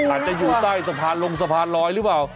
อาจจะอยู่ใต้สะพานล็อร์รหรือเปล่า